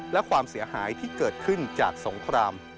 และความเสียหายที่เกิดขึ้นจากสงคราม